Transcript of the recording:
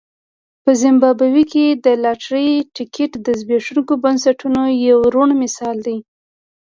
په زیمبابوې کې د لاټرۍ ټکټ د زبېښونکو بنسټونو یو روڼ مثال دی.